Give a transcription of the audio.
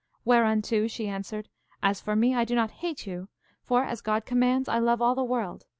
Whereunto she answered, As for me, I do not hate you; for, as God commands, I love all the world.